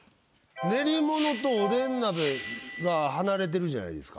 「練り物」と「おでん鍋」が離れてるじゃないですか。